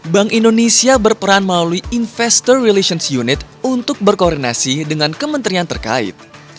bank indonesia berperan melalui investor relations unit untuk berkoordinasi dengan kementerian terkait